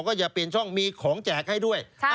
ก็อย่าเปลี่ยนช่องมีของแจกให้ด้วย